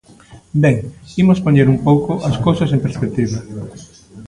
Ben, imos poñer un pouco as cousas en perspectiva.